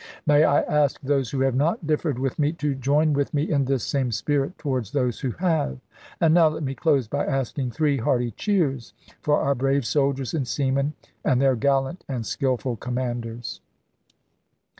May I ask those who have not differed with me to join with me in this same spirit towards those who have? And now let me close by asking three hearty cheers for our brave soldiers and seamen, and their gallant and skillful commanders.